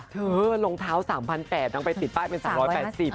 รองเท้า๓๘๐๐นางไปติดป้ายเป็น๓๘๐บาท